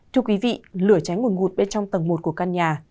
thưa quý vị lửa cháy ngùn ngụt bên trong tầng một của căn nhà